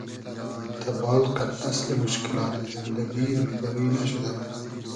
تئبال قئد اسلی موشکیلات زیندگی روی دۂ روی نئشودۂ